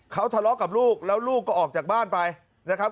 เขาทะเลาะกับลูกแล้วลูกก็ออกจากบ้านไปนะครับ